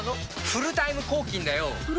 フルタイム抗菌？